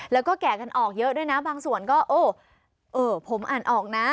แล้วก็แก่กันออกเยอะด้วยนะบางส่วนก็โอ้เออผมอ่านออกนะ